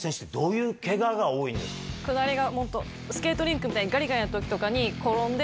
下りがスケートリンクみたいにガリガリな時とかに。